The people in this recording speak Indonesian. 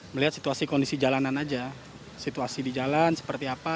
melihat situasi kondisi jalanan aja situasi di jalan seperti apa